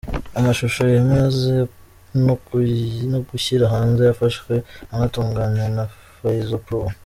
Amashusho yayo yamaze no gushyira hanze yafashwe anatunganywa na Fayzo Pro.